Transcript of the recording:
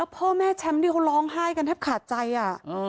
แล้วพ่อแม่แชมป์นี่เขาร้องไห้กันแทบขาดใจอ่ะอือ